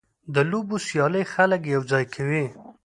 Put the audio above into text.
د لوبو سیالۍ خلک یوځای کوي.